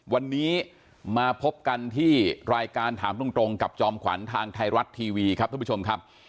วันนี้มาพบกันที่รายการถามตรงกับจอมขวัญทางไทยรัฐทีวีครับท่านผู้ชมครับ